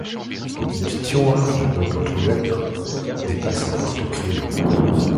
Du tiroir du meuble entrouvert, dépasse un porte-crayon.